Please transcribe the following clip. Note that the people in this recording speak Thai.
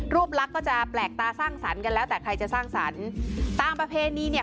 ลักษณ์ก็จะแปลกตาสร้างสรรค์กันแล้วแต่ใครจะสร้างสรรค์ตามประเพณีเนี่ย